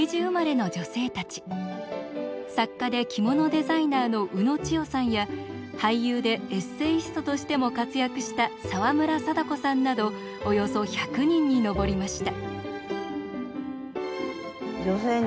作家で着物デザイナーの宇野千代さんや俳優でエッセイストとしても活躍した沢村貞子さんなどおよそ１００人に上りました。